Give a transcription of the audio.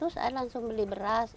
saya langsung beli beras